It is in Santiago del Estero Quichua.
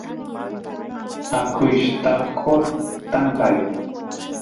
akuyshtaqot tankay